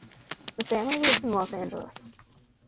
The family lives in Los Angeles.